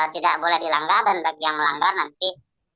tidak boleh di langgar dan bagi yang melanggar nanti